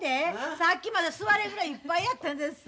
さっきまで座れんぐらいいっぱいやったんでっせ。